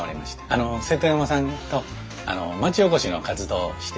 あの瀬戸山さんと町おこしの活動をしています。